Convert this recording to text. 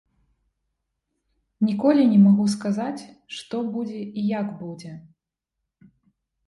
Ніколі не магу сказаць, што будзе і як будзе.